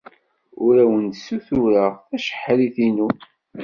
Ur awen-d-ssutureɣ tacehṛit-inu.